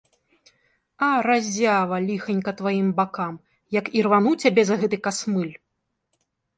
А, разява, ліханька тваім бакам, як ірвану цябе за гэты касмыль!